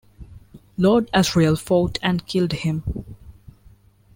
Lord Asriel fought and killed him.